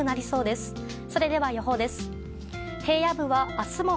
それでは予報です。